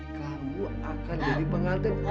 kamu akan jadi pengantin